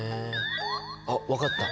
あっ分かった！